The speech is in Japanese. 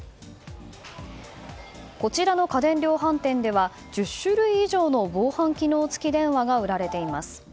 こちらの家電量販店では１０種類以上の防犯機能付き電話が売られています。